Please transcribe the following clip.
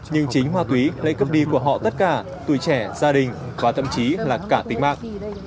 nhưng chính ma túy lại cấp đi của họ tất cả tuổi trẻ gia đình và thậm chí là cả tính mạng